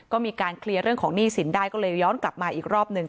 ก็มีการเคลียร์เรื่องของหนี้สินได้ก็เลยย้อนกลับมาอีกรอบหนึ่ง